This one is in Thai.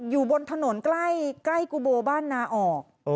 อยู่บนถนนใกล้กุโบบ้านนาออก